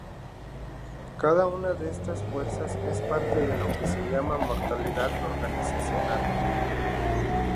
Cada una de estas fuerzas es parte de lo que se llama Mortalidad Organizacional.